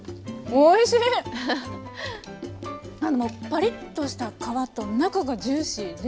パリッとした皮と中がジューシーで。